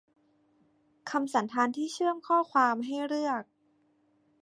คำสันธานที่เชื่อมข้อความให้เลือก